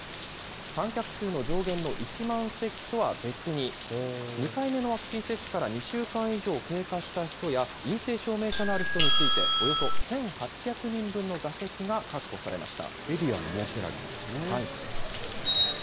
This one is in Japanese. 観客数の上限の１万席とは別に、２回目のワクチン接種から２週間以上経過した人や、陰性証明書のある人について、およそ１８００人分の座席が確保されました。